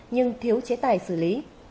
nhưng thiếu chế tài xử lý